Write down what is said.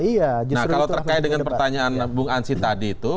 nah kalau terkait dengan pertanyaan bung ansi tadi itu